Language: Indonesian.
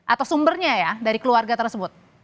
atau sumbernya ya dari keluarga tersebut